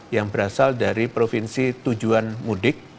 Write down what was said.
yang berasal dari provinsi tujuan mudik